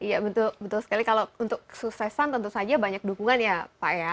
iya betul sekali kalau untuk kesuksesan tentu saja banyak dukungan ya pak ya